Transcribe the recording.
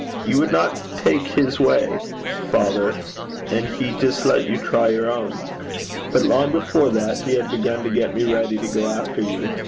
You would not take his way, father, and he just let you try your own. But long before that he had begun to get me ready to go after you.